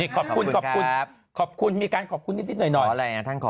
ขอบคุณขอบคุณขอบคุณมีการขอบคุณนิดนิดหน่อยหน่อยทั้งขอ